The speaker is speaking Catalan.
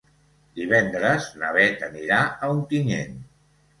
Divendres na Beth anirà a Ontinyent.